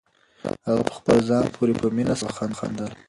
هغه په خپل ځان پورې په مینه سره وخندل.